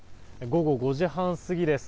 午後５時半過ぎです。